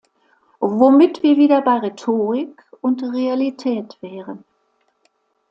Womit wir wieder bei Rhetorik und Realität wären.